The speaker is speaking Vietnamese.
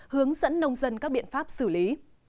hướng dẫn nông dân các biện pháp xử lý